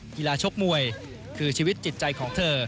ชกมวยคือชีวิตจิตใจของเธอ